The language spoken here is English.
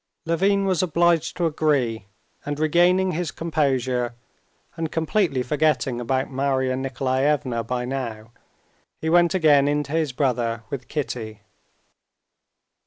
Levin was obliged to agree, and regaining his composure, and completely forgetting about Marya Nikolaevna by now, he went again in to his brother with Kitty.